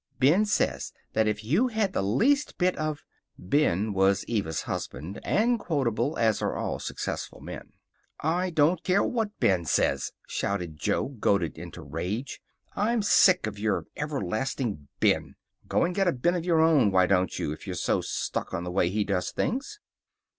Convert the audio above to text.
"Ben says if you had the least bit of " Ben was Eva's husband, and quotable, as are all successful men. "I don't care what Ben says," shouted Jo, goaded into rage. "I'm sick of your everlasting Ben. Go and get a Ben of your own, why don't you, if you're so stuck on the way he does things."